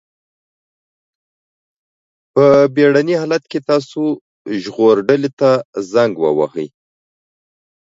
په بېړني حالت کې تاسو ژغورډلې ته زنګ ووهئ.